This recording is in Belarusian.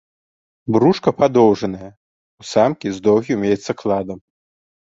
Брушка падоўжанае, у самкі з доўгім яйцакладам.